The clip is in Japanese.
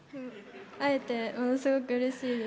会えてものすごくうれしいです。